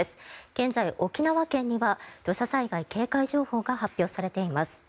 現在、沖縄県には土砂災害警戒情報が発表されています。